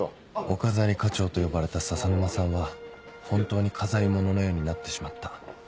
お飾り課長と呼ばれた笹沼さんは本当に飾り物のようになってしまった